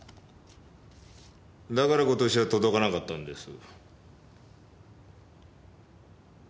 だから今年は届かなかったんです。